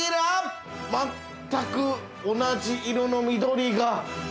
まったく同じ色の緑が。